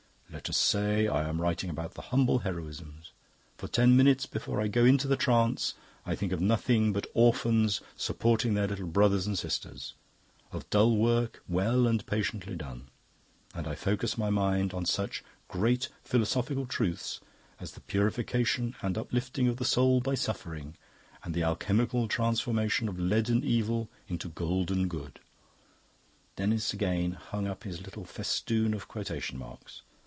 Let us say I am writing about the humble heroisms; for ten minutes before I go into the trance I think of nothing but orphans supporting their little brothers and sisters, of dull work well and patiently done, and I focus my mind on such great philosophical truths as the purification and uplifting of the soul by suffering, and the alchemical transformation of leaden evil into golden good." (Denis again hung up his little festoon of quotation marks.)